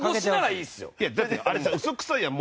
いやだってあれさ嘘くさいじゃん。